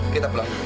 kita pulang dulu ya